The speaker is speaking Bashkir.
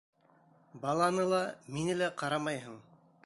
Баланы ла, мине лә ҡарамайһың.